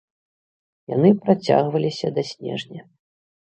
Яны працягваліся да снежня.